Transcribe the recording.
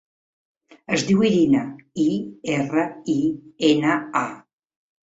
Es diu Irina: i, erra, i, ena, a.